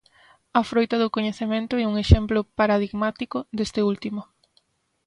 A froita do coñecemento é un exemplo paradigmático deste último.